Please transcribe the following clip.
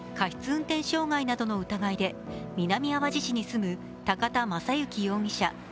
運転傷害などの疑いで南あわじ市に住む高田正行容疑者